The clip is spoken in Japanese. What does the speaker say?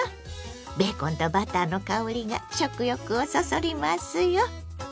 ベーコンとバターの香りが食欲をそそりますよ。